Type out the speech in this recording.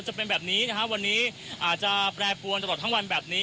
จะเป็นแบบนี้นะครับวันนี้อาจจะแปรปวนตลอดทั้งวันแบบนี้